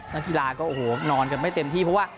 นักกีฬาก็โอ้โหนอนกันไม่เต็มที่เพราะว่า